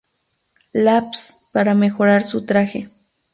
Labs para mejorar su traje.